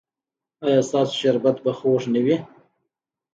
ایا ستاسو شربت به خوږ نه وي؟